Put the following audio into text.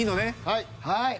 はい。